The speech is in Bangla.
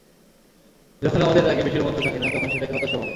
যখন আমাদের রাগে বেশি রোমাঞ্চ থাকে না, তখন সেটাকে হতাশা বলে।